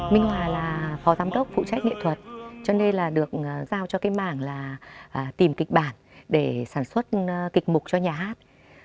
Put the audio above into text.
minh hòa là phó giám đốc phụ trách nghệ thuật cho nên là được giao cho cái mảng là tìm kịch bản để sản xuất kịch mục cho nhà hát